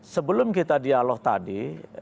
sebelum kita dialog tadi